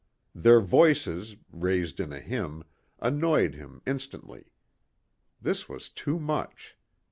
Their voices, raised in a hymn, annoyed him instantly. This was too much.